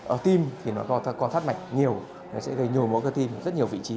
ở tim thì nó co thắt mạch nhiều nó sẽ gây nhồi mỗi cơ tim rất nhiều vị trí